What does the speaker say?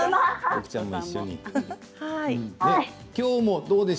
僕ちゃんも一緒に。